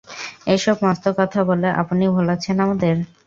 এ-সব মস্ত কথা বলে আপনি ভোলাচ্ছেন আমাদের।